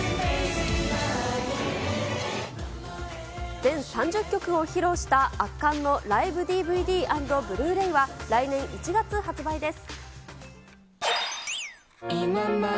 全３０曲を披露した圧巻のライブＤＶＤアンドブルーレイは、来年１月発売です。